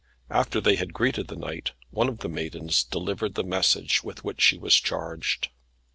After they had greeted the knight, one of the maidens delivered the message with which she was charged.